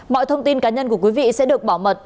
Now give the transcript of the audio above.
mọi thông tin cá nhân của quý vị sẽ được bảo mật